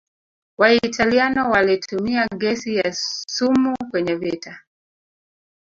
waitaliano walitumia gesi ya sumu kwenye vita